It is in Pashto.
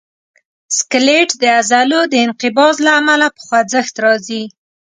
سکلیټ د عضلو د انقباض له امله په خوځښت راځي.